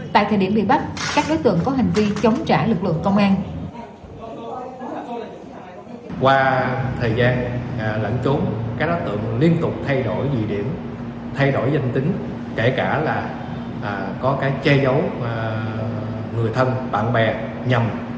tại thời điểm bị bắt các đối tượng có hành vi chống trả lực lượng công an